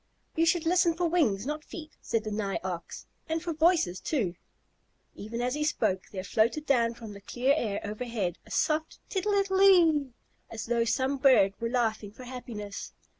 "You should listen for wings, not feet," said the Nigh Ox, "and for voices, too." Even as he spoke there floated down from the clear air overhead a soft "tittle ittle ittle ee," as though some bird were laughing for happiness.